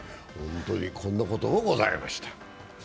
こんなこともございました。